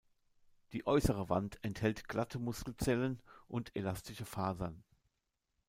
Die äußere Wand enthält glatte Muskelzellen und elastische Fasern.